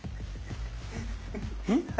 うん？